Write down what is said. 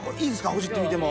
ほじってみても。